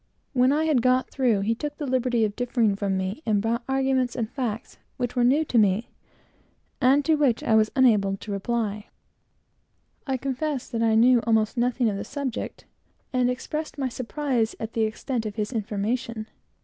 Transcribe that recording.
When I had got through, he took the liberty of differing from me, and, to my surprise, brought arguments and facts connected with the subject which were new to me, to which I was entirely unable to reply. I confessed that I knew almost nothing of the subject, and expressed my surprise at the extent of his information.